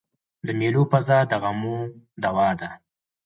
د مېلو فضا د غمو دوا ده.